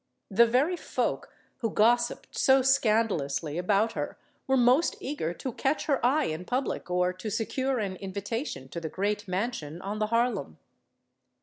The very folk who gossiped so scandalously about her were most eager to catch her eye in public or to secure an invitation to the great mansion on the Harlem.